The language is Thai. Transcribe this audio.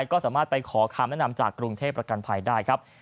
ครับขอบคุณครับ